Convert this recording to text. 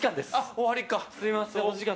終わりか。